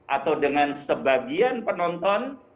atau dengan sebagian penonton